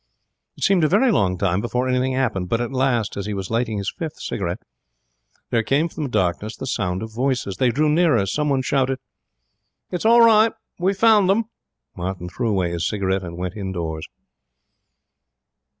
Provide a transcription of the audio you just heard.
It seemed a very long time before anything happened, but at last, as he was lighting his fifth cigarette, there came from the darkness the sound of voices. They drew nearer. Someone shouted: 'It's all right. We've found them.' Martin threw away his cigarette and went indoors.